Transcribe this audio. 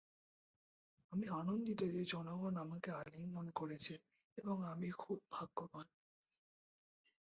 আমি আনন্দিত যে জনগণ আমাকে আলিঙ্গন করেছে এবং আমি খুব ভাগ্যবান...